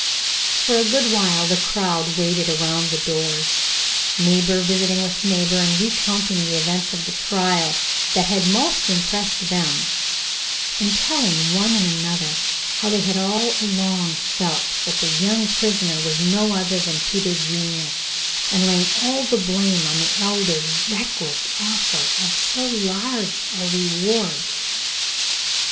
For a good while the crowd waited around the doors, neighbor visiting with neighbor and recounting the events of the trial that had most impressed them, and telling one and another how they had all along felt that the young prisoner was no other than Peter Junior, and laying all the blame on the Elder's reckless offer of so large a reward.